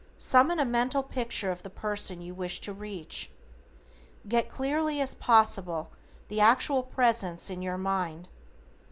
Summon a mental picture of the person you wish to reach. Get clearly as possible the actual presence in your mind.